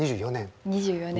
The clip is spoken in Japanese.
２４年？